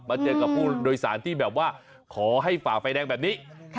เจอกับผู้โดยสารที่แบบว่าขอให้ฝ่าไฟแดงแบบนี้